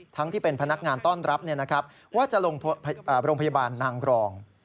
ที่เป็นพนักงานต้อนรับว่าจะลงโรงพยาบาลนางรอง